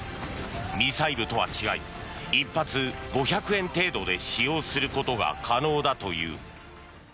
ミサイルとは違い１発５００円程度で使用することが可能だという。